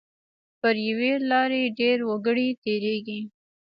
پر یوې لارې ډېر وګړي تېریږي.